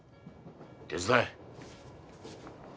手伝え。